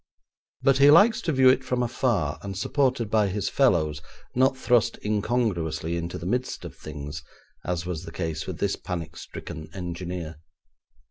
But he likes to view it from afar, and supported by his fellows, not thrust incongruously into the midst of things, as was the case with this panic stricken engineer.